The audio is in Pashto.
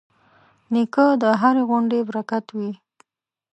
نیکه د هرې غونډې برکت وي.